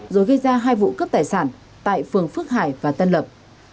rồi gây ra hai vụ cướp tài sản tại phường phước hải và tân lập